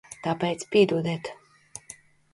Tāpēc piedodiet.